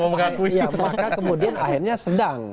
maka kemudian akhirnya sedang